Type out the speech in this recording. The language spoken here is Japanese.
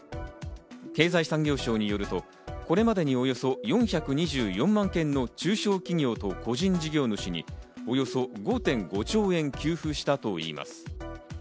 経済産業省によると、これまでにおよそ４２４万件の中小企業と個人事業主に、およそ５．５兆円給付したといいます。